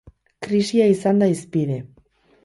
Krisia izan da hizpide.